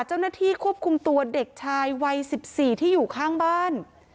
เจ้าหน้าที่ควบคุมตัวเด็กชายวัย๑๔ที่อยู่ข้างบ้าน